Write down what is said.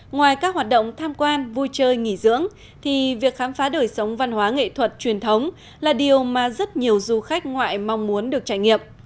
ngoài các hoạt động tham quan vui chơi nghỉ dưỡng thì việc khám phá đời sống văn hóa nghệ thuật truyền thống là điều mà rất nhiều du khách ngoại mong muốn được trải nghiệm